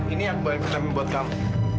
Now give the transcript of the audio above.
ini yang aku bawa yang kita ambil buat kamu